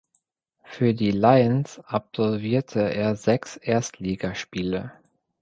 Für die Lions absolvierte er sechs Erstligaspiele.